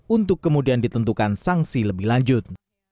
untuk kemudian ditentukan sanksi lebih lanjut